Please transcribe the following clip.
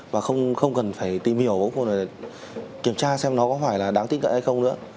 và không cần phải tìm hiểu vô cùng để kiểm tra xem nó có phải là đáng tin cậy hay không nữa